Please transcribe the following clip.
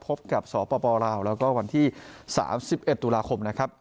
พบกับสปลาลาวแล้วก็วันที่สามสิบเอ็ดตุลาคมนะครับ